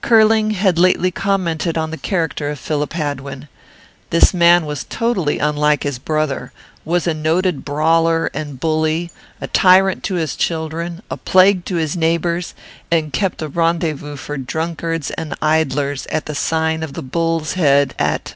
Curling had lately commented on the character of Philip Hadwin. This man was totally unlike his brother, was a noted brawler and bully, a tyrant to his children, a plague to his neighbours, and kept a rendezvous for drunkards and idlers, at the sign of the Bull's Head, at